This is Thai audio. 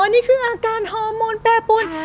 นี่คืออาการฮอร์โมนแปรปวน